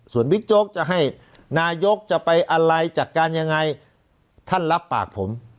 ส่วนบิ๊กโจ๊กจะให้นายกจะไปอะไรจัดการยังไงท่านรับปากผม